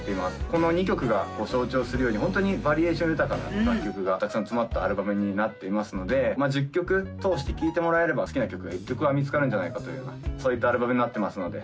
この２曲を象徴するようにホントにバリエーション豊かな楽曲がたくさん詰まったアルバムになっていますので１０曲通して聴いてもらえれば好きな曲が１曲は見つかるんじゃないかというようなそういったアルバムになってますので